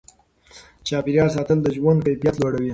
چاپیریال ساتل د ژوند کیفیت لوړوي.